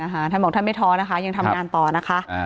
ท่านบอกท่านไม่ท้อนะคะยังทำงานต่อนะคะ